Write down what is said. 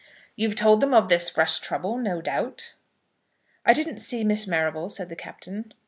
"You've told them of this fresh trouble, no doubt." "I didn't see Miss Marrable," said the Captain.